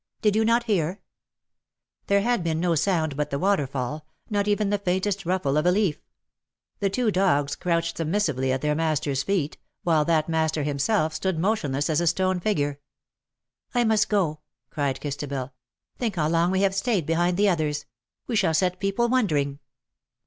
Did you not hear ?" There had been no sound but the waterfall — not even the faintest rustle of a leaf. The two dogs crouched submissively at their master's feet, while that master himself stood motionless as a stone figure. " I must go/"* cried Christabel. '* Think how long we have stayed behind the others. We shall set people wondering."